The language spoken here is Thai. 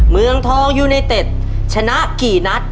เมืองทองยูไนเต็ดชนะกี่นัด